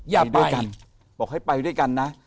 อย่าไปกันบอกให้ไปด้วยกันนะ